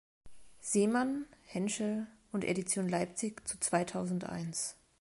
Seemann, Henschel und Edition Leipzig zu Zweitausendeins.